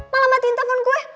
malah matiin telfon gue